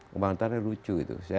kembangan utara lucu itu